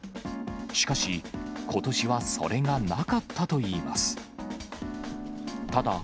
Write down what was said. しかし、ことしはそれがなかったといいます。